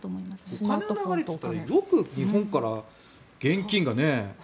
お金の流れってよく日本から現金がね。